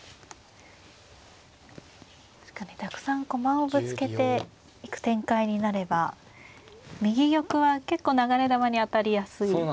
確かにたくさん駒をぶつけていく展開になれば右玉は結構流れ弾に当たりやすい位置ですよね。